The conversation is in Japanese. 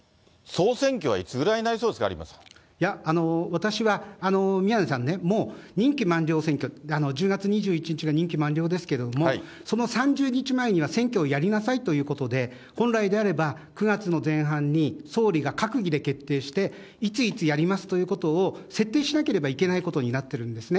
私は宮根さんね、もう、任期満了選挙、１０月２１日が任期満了ですけれども、その３０日前には、選挙をやりなさいということで、本来であれば、９月の前半に総理が閣議で決定して、いついつやりますということを設定しなければいけないことになってるんですね。